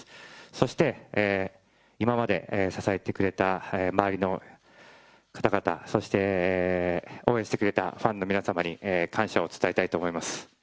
そして今まで支えてくれた周りの方々、そして応援してくれたファンの皆様に、感謝を伝えたいと思います。